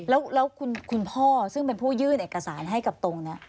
แล้วคุณพ่อซึ่งเป็นผู้ยื่นเอกสารให้กับตรงนี้